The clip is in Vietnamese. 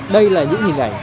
đây là những hình ảnh